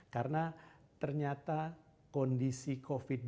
karena ternyata kondisi covid sembilan belas dua ribu dua puluh